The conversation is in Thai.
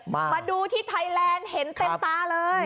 มาดูที่ไทยแลนด์เห็นเต็มตาเลย